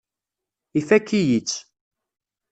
Ifakk-iyi-tt.